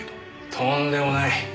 とんでもない！